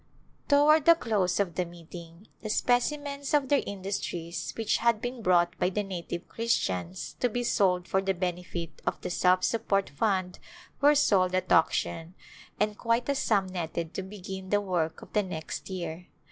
Toward the close of the [ 333] A Glimpse of India meeting the specimens of their industries which had been brought by the native Christians to be sold for the benefit of the Self Support Fund were sold at auc tion and quite a sum netted to begin the work of the next year.